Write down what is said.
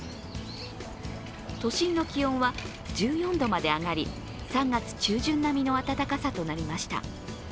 都心の気温は１４度まで上がり、３月中旬並みの暖かさとなりました